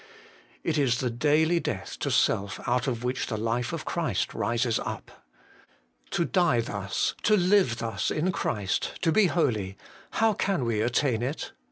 It is the daily death to self out of which the life of Christ rises up. 4. To die thus, to live thus in Christ, to be holy how can we attain it?